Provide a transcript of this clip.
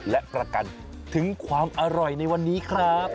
และประกันถึงความอร่อยในวันนี้ครับ